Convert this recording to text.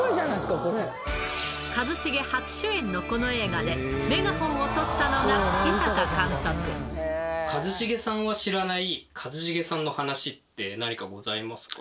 一茂初主演のこの映画で、一茂さんが知らない、一茂さんの話って何かございますか？